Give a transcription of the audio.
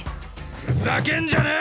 ふざけんじゃねぇ！